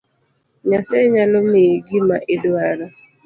Nyasaye nyalo miyi gima iduaro